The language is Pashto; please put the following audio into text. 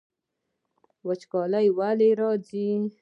وچکالي ولې راځي؟